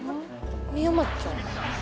深山ちゃん？